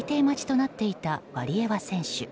待ちとなっていたワリエワ選手。